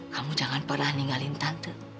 kamu jangan pernah ninggalin tante